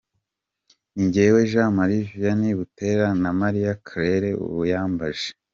Ni mwene Jean Marie Vianney Butera na Marie Claire Uyambaje.